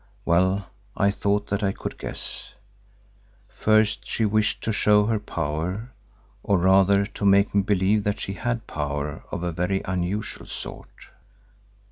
Well, I thought that I could guess. First, she wished to show her power, or rather to make me believe that she had power of a very unusual sort.